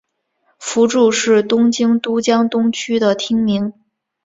福住是东京都江东区的町名。